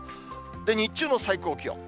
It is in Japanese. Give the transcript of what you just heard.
日中の最高気温。